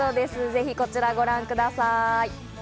ぜひこちらご覧ください。